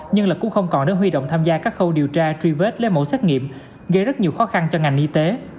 nhưng lực cũng không còn nếu huy động tham gia các khâu điều tra truy vết lê mẫu xét nghiệm gây rất nhiều khó khăn cho ngành y tế